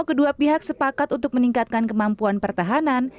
kedua pihak sepakat untuk meningkatkan kemampuan pertahanan